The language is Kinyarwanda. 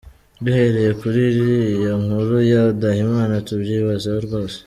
Duhereye kuri iriya nkuru ya Ndahimana tubyibazeho rwose.